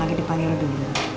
lagi dipanggil dulu